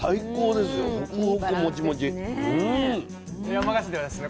山鹿市ではですね